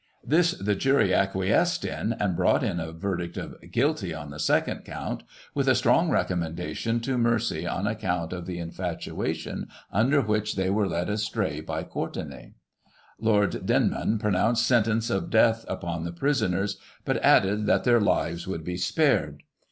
This, the jury acquiesced in, and brought in a verdict of " guilty " on the second count, with a strong recommendation to mercy on account of the infatuation under which they were led astray by Courtenay. Lord Denman pronounced sentence of death upon the prisoners, but added, that their lives would be spared.